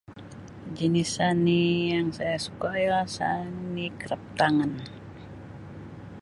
Jenis seni yang saya suka ialah seni kraftangan